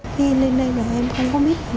khi em lên đây rồi em không có biết gì nữa